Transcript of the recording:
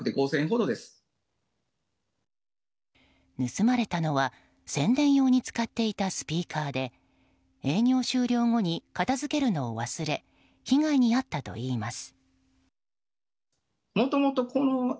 盗まれたのは宣伝用に使っていたスピーカーで営業終了後に片づけるのを忘れ被害に遭ったといいます。